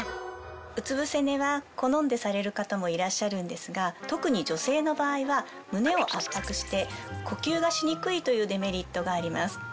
うつ伏せ寝は好んでされる方もいらっしゃるんですが特に女性の場合は胸を圧迫して呼吸がしにくいというデメリットがあります。